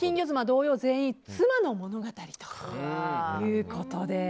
同様全員妻の物語ということで。